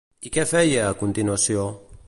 I què feia, a continuació?